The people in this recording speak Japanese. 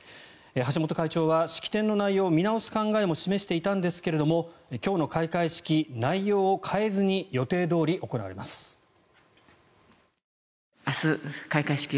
橋本会長は式典の内容を見直す考えも示していたんですが今日の開会式は内容を変えずに予定どおり行われます。